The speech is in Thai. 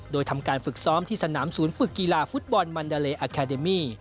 โดยทำการฝึกซ้อมที่สนามศูนย์ฝึกกีฬาฟุตบอลมันดาเลอาคาเดมี่